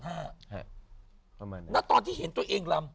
แล้วตอนที่เห็นตัวเองลำ